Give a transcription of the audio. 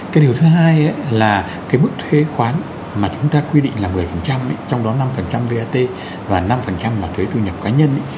cái điều thứ hai là cái mức thuế khoán mà chúng ta quy định là một mươi trong đó năm vat và năm mà thuế thu nhập cá nhân